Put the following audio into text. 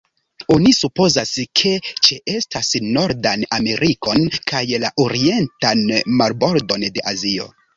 Oni supozas, ke ĉeestas Nordan Amerikon kaj la orientan marbordon de Azio.